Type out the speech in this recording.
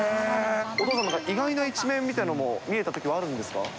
お父さんの意外な一面みたいなのも見えたときはあるんですか。